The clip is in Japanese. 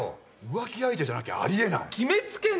浮気相手じゃなきゃありえない決めつけんなよ